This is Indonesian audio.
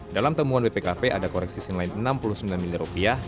dalam temuan bpkp ada koreksi senin enam puluh sembilan miliar rupiah